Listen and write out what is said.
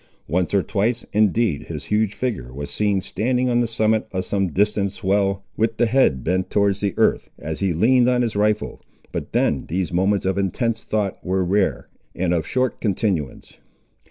Once or twice, indeed, his huge figure was seen standing on the summit of some distant swell, with the head bent towards the earth, as he leaned on his rifle; but then these moments of intense thought were rare, and of short continuance.